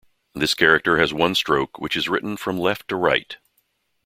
This character has one stroke which is written from left to right.